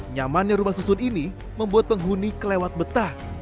nyamannya rumah susun ini membuat penghuni kelewat betah